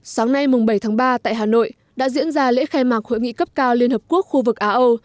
sáng nay bảy tháng ba tại hà nội đã diễn ra lễ khai mạc hội nghị cấp cao liên hợp quốc khu vực á âu